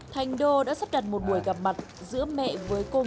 thì anh đô sẽ về ở với gia đình nhà con